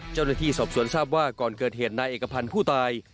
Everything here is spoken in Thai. เจ้าหน้าที่สอบสวนทราบว่าก่อนเกิดเหตุนายเอกพันธ์ผู้ตาย